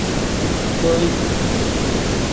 تۆی: